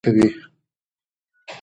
هغوی له ډېر وخت راهیسې دلته ژوند کوي.